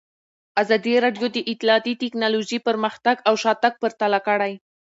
ازادي راډیو د اطلاعاتی تکنالوژي پرمختګ او شاتګ پرتله کړی.